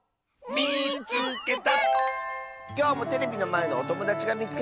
「みいつけた！」。